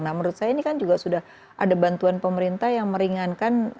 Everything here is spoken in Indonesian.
nah menurut saya ini kan juga sudah ada bantuan pemerintah yang meringankan